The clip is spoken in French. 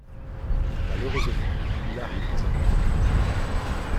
Malheureusement, il arrive dans un entrepôt.